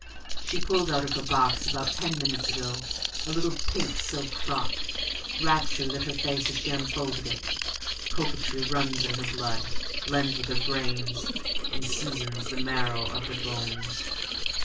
She pulled out of her box, about ten minutes ago, a little pink silk frock; rapture lit her face as she unfolded it; coquetry runs in her blood, blends with her brains, and seasons the marrow of her bones.